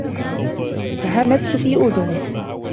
همست في أذنه.